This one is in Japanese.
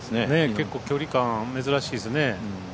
結構距離感、珍しいですね。